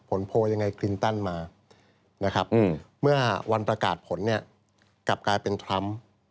โพลยังไงคลินตันมานะครับเมื่อวันประกาศผลเนี่ยกลับกลายเป็นทรัมป์